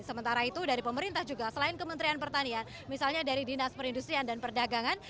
sementara itu dari pemerintah juga selain kementerian pertanian misalnya dari dinas perindustrian dan perdagangan